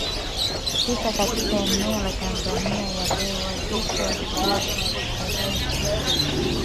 tisa katika eneo la Tanzania ya leo Wakristo walikuwa elfu kadhaa tu